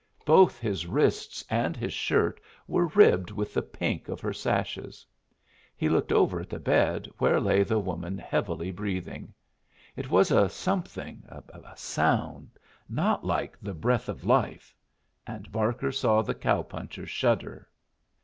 Both his wrists and his shirt were ribbed with the pink of her sashes. He looked over at the bed where lay the woman heavily breathing. It was a something, a sound, not like the breath of life; and Barker saw the cow puncher shudder.